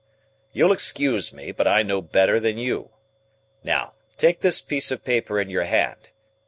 You'll excuse me, but I know better than you. Now, take this piece of paper in your hand.